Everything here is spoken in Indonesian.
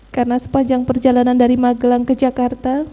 karena sepanjang perjalanan dari magelang ke jakarta